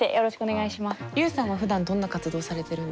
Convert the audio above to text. Ｕさんはふだんどんな活動されてるんですか？